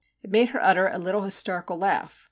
made her utter a little hysterical laugh.